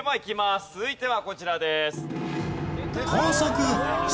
続いてはこちらです。